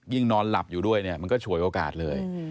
ยิ่งนอนหลับอยู่ด้วยมันก็ฉ่วยโอกาสเลย